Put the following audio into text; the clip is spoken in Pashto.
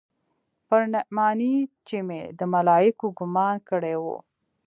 پر نعماني چې مې د ملايکو ګومان کړى و.